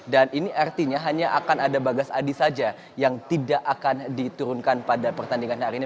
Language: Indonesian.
dan ini artinya hanya akan ada bagas adi saja yang tidak akan diturunkan pada pertandingan hari ini